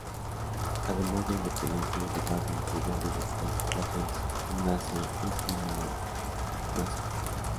Además de Independiente Rivadavia, jugó en River Plate, Platense, Gimnasia y Esgrima de Mza.